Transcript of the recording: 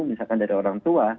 misalkan dari orang tua